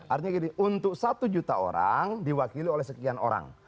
artinya gini untuk satu juta orang diwakili oleh sekian orang